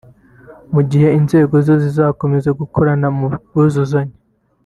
mu gihe inzego zo zizakomeza gukorana mu bwuzuzanye